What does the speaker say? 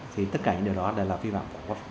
thì tất cả những điều đó là vi phạm của quốc pháp